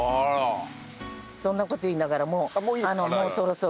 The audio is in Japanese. そんな事言いながらもうもうそろそろ。